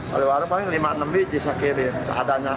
paling warung paling lima enam biji disekirin